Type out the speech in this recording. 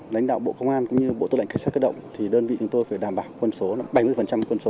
lãnh đạo bộ công an cũng như bộ tư lệnh cảnh sát cơ động thì đơn vị chúng tôi phải đảm bảo quân số là bảy mươi quân số